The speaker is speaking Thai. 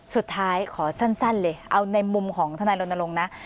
สุดท้ายขอสั้นเลยเอาในมุมของทนายรณรงค์นะ